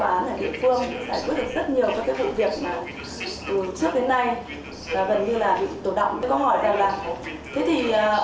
và đã giúp cho các cái tòa án ở địa phương giải quyết được rất nhiều các cái vụ việc